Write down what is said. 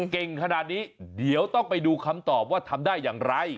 เก่งขนาดนี้เดี๋ยวต้องไปดูคำตอบว่าทำได้อย่างไร